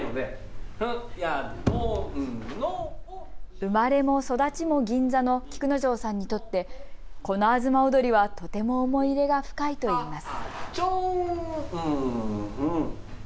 生まれも育ちも銀座の菊之丞さんにとってこの東をどりはとても思い入れが深いと言います。